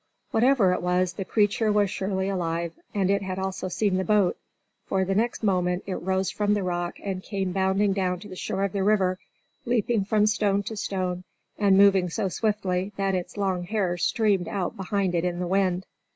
Whatever it was, the creature was surely alive, and it had also seen the boat, for the next moment it rose from the rock and came bounding down to the shore of the river, leaping from stone to stone, and moving so swiftly that its long hair streamed out behind it in the wind.